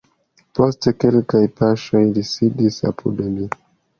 Post kelkaj paŝoj li sidis apud mi.